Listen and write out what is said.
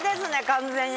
完全に。